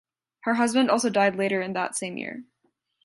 Her husband also died later in that same year.